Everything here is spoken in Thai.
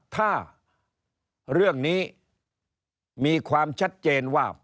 ถ้าเรื่องนี้มีความชัดเจนว่า